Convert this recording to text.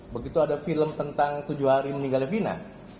begitu ada film tentang tujuh hari meninggal